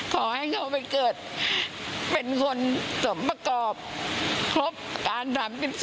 ขอให้เขาไปเกิดเป็นคนสมประกอบครบการ๓๔